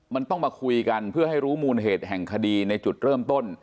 มันต้องมาคุยกันเพื่อให้รู้มูลเหตุแห่งคดีในจุดเริ่มต้น